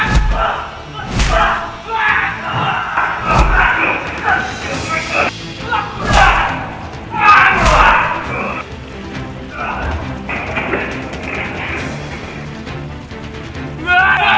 sampai jumpa di video selanjutnya